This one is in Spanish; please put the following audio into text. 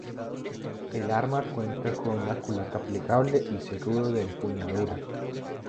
El arma cuenta con una culata plegable y seguro de empuñadura.